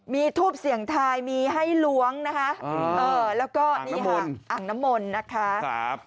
มีทูปเสียงไทยมีให้ล้วงนะคะแล้วก็อ่างนมลนะคะ